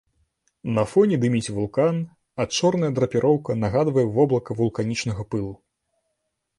На фоне дыміць вулкан, а чорная драпіроўка нагадвае воблака вулканічнага пылу.